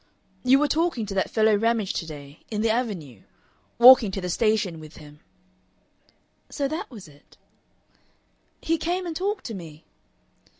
"You were talking to that fellow Ramage to day in the Avenue. Walking to the station with him." So that was it! "He came and talked to me."